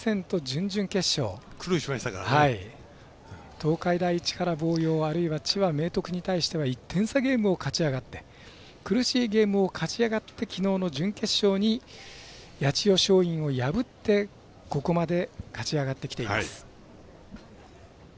東海大望洋千葉明徳に対しては１点差ゲームを勝ち上がって苦しいゲームを勝ち上がってきのうの準決勝に八千代松陰を破ってここまで勝ち上がってきています。